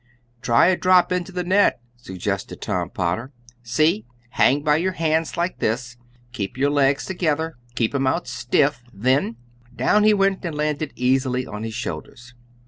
"Try a drop into the net," suggested Tom Potter. "See, hang by your hands, like this. Keep your legs together and lift 'em out stiff. Then " Down he went, and landed easily on his shoulders.